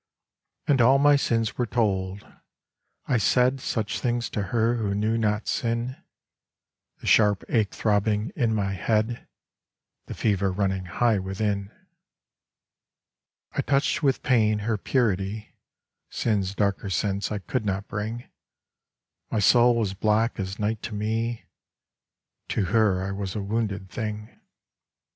And all my sins were told ; I said Such things to her who knew not sin The sharp ache throbbing in my head, The fever running high within. I touched with pain her purity ; Sin's darker sense I could not bring : My soul was black as night to me ; To her I was a wounded thing. .